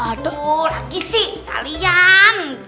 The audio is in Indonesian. aduh lagi sih kalian